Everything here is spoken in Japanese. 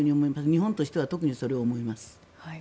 日本としては特にそれを思います。